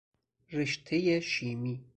رشتهی شیمی